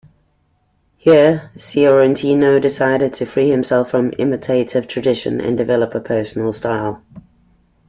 Here Sciortino decided to free himself from imitative tradition and develop a personal style.